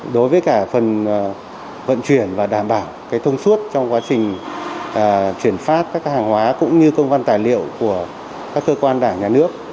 đối với cả phần vận chuyển và đảm bảo thông suốt trong quá trình chuyển phát các hàng hóa cũng như công văn tài liệu của các cơ quan đảng nhà nước